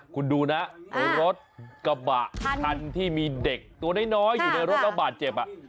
คุณดูนะรถกระบะคันที่มีเด็กตัวน้อยอยู่ในรถแล้วบาดเจ็บ